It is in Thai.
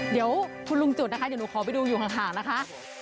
เดี๋ยวคุณลุงจุดนะคะเดี๋ยวหนูขอไปดูอยู่ห่างนะคะ